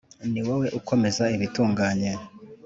ni wowe ukomeza ibitunganye.